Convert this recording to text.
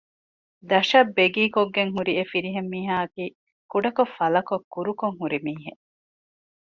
ދަށަށް ބެގީކޮށްގެން ހުރި އެފިރިހެން މީހާއަކީ ކުޑަކޮށް ފަލަކޮށް ކުރުކޮށް ހުރި މީހެއް